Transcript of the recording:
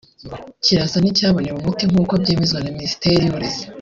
kirasa n’icyabonewe umuti nk’uko byemezwa na Minisiteri y’uburezi